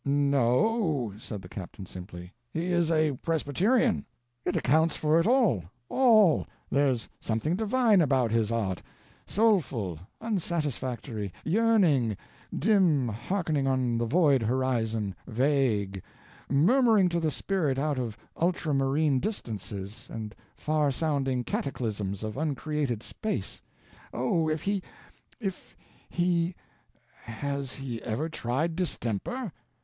"No," said the captain simply, "he is a Presbyterian." "It accounts for it all—all—there's something divine about his art,—soulful, unsatisfactory, yearning, dim hearkening on the void horizon, vague—murmuring to the spirit out of ultra marine distances and far sounding cataclysms of uncreated space—oh, if he—if, he—has he ever tried distemper?"